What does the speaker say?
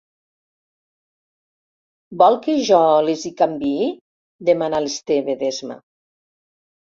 Vol que jo les hi canviï? —demana l'Esteve, d'esma.